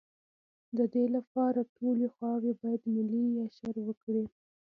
د دې لپاره ټولې خواوې باید ملي اشر وکړي.